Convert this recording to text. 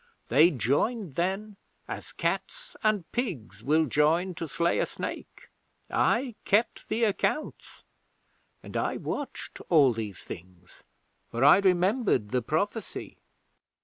They joined then, as cats and pigs will join to slay a snake. I kept the accounts, and I watched all these things, for I remembered the Prophecy.